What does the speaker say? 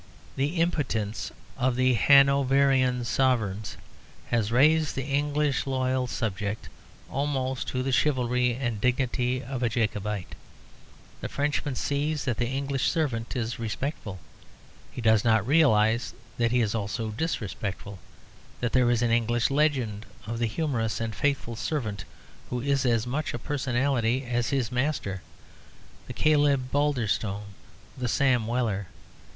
The impotence of the Hanoverian Sovereigns has raised the English loyal subject almost to the chivalry and dignity of a Jacobite. The Frenchman sees that the English servant is respectful: he does not realise that he is also disrespectful; that there is an English legend of the humorous and faithful servant, who is as much a personality as his master; the Caleb Balderstone, the Sam Weller.